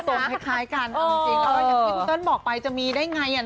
ใสกันเออจริงเติ้ลบอกไปจะมีได้ไงอ่า